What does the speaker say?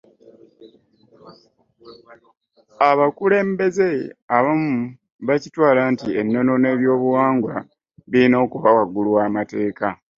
Abakulembeze abamu bakitwala nti ennono n’ebyobuwangwa birina okuba waggulu w’amateeka.